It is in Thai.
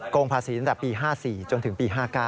งภาษีตั้งแต่ปี๕๔จนถึงปี๕๙